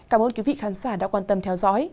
cảm ơn quý vị khán giả đã quan tâm theo dõi